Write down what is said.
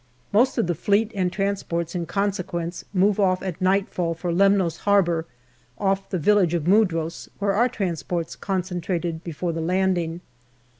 Most of the Fleet and transports in consequence move off at nightfall for Lemnos Harbour, off the village of Mudros, where our transports concentrated before the landing.